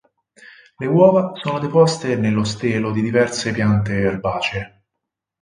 Le uova sono deposte nello stelo di diverse piante erbacee.